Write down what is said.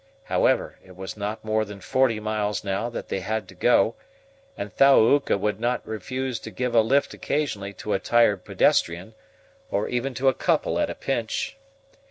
However, it was not more than forty miles now that they had to go, and Thaouka would not refuse to give a lift occasionally to a tired pedestrian, or even to a couple at a pinch.